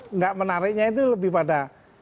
enggak menariknya itu lebih pada